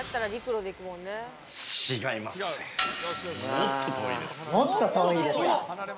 もっと遠いですか？